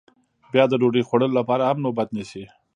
بیا د ډوډۍ خوړلو لپاره هم نوبت نیسي